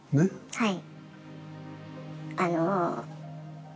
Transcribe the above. はい。